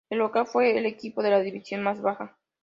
El local fue el equipo de la división más baja.